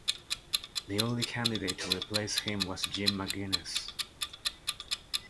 The only candidate to replace him was Jim McGuinness.